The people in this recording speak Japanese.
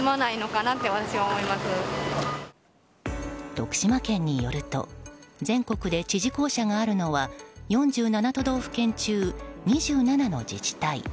徳島県によると全国で知事公舎があるのは４７都道府県中、２７の自治体。